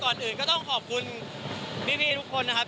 ก่อนอื่นก็ต้องขอบคุณพี่ทุกคนนะครับ